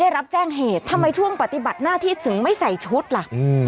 รับแจ้งเหตุทำไมช่วงปฏิบัติหน้าที่ถึงไม่ใส่ชุดล่ะ